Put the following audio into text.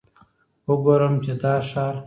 وګورم چې دا ښار.